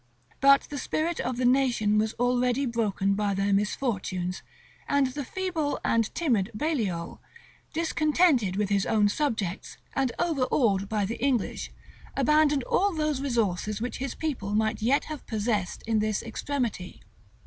But the spirit of the nation was already broken by their misfortunes and the feeble and timid Baliol, discontented with his own subjects, and overawed by the English, abandoned all those resources which his people might yet have possessed in this extremity.